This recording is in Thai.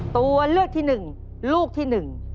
ตัวเลือกที่หนึ่งลูกที่หนึ่ง